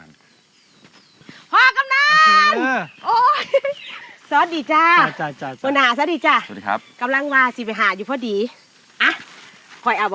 มันจะไม่ช่วยอีกอย่างเลยพ่อคำนั้นมันช่วยอยู่อย่างเดียว